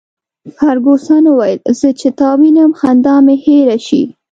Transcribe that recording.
فرګوسن وویل: زه چي تا ووینم، خندا مي هېره شي.